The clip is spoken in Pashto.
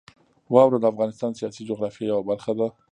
واوره د افغانستان د سیاسي جغرافیې یوه برخه ده.